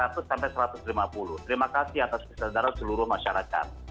terima kasih atas kesadaran seluruh masyarakat